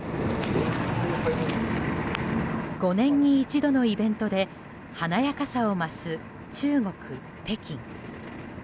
５年に一度のイベントで華やかさを増す中国・北京。